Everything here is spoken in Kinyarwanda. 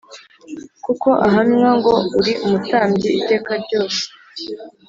Kuko ahamywa ngo uri umutambyi iteka ryose